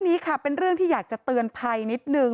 นี้ค่ะเป็นเรื่องที่อยากจะเตือนภัยนิดนึง